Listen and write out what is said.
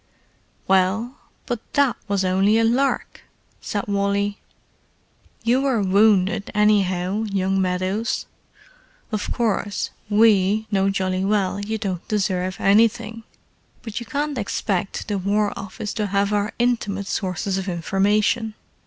"Well, but that was only a lark!" said Wally. "You were wounded, anyhow, young Meadows. Of course we know jolly well you don't deserve anything, but you can't expect the War Office to have our intimate sources of information."